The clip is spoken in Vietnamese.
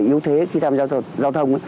yếu thế khi tham gia giao thông